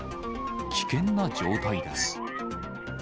危険な状態です。